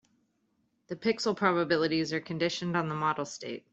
The pixel probabilities are conditioned on the model state.